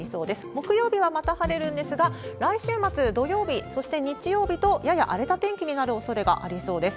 木曜日はまた晴れるんですが、来週末、土曜日、そして日曜日と、やや荒れた天気になるおそれがありそうです。